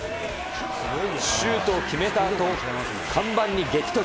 シュートを決めたあと、看板に激突。